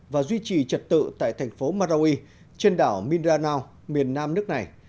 và duy trì trật tự tại thành phố marawi trên đảo mindanao miền nam nước này